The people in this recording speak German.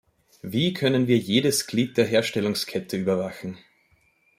Wie können wir jedes Glied der Herstellungskette überwachen?